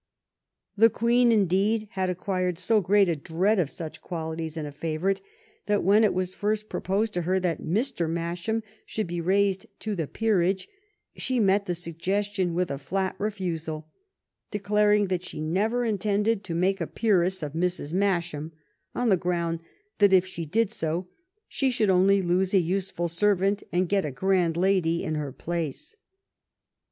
The Queen, in deed, had acquired so great a dread of such qualities in a favorite that when it was first proposed to her that Mr. Masham should be raised to the peerage she met the suggestion with a flat refusal, declaring that she never intended to make a peeress of Mrs. Masham, on the ground that if she did so she should only lose a useful servant and get a grand lady in her place.